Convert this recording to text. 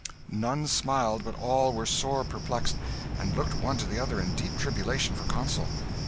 None smiled; but all were sore perplexed, and looked one to the other in deep tribulation for counsel.